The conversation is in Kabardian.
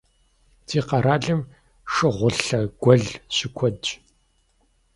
Ди къэралым шыгъулъэ гуэл щыкуэдщ.